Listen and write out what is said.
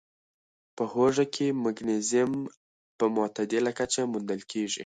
په هوږه کې مګنيزيم په معتدله کچه موندل کېږي.